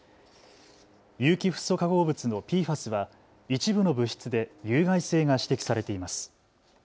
有機フッ素化合物のＰＦＡＳは一部の物質で有害性が指摘されています。